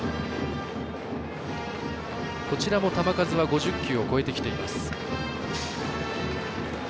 こちらも球数は５０球を超えてきています。